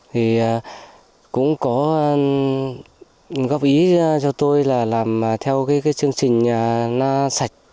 thì cũng có góp ý cho tôi là làm theo cái chương trình nó sạch